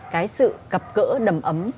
cái sự gặp gỡ đầm ấm